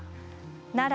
奈良・